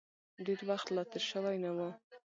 ډېر وخت لا تېر شوی نه و.